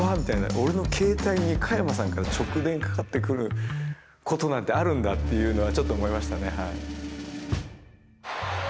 俺の携帯に加山さんから直電かかってくることなんてあるんだっていうのはちょっと思いましたね。